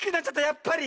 やっぱり。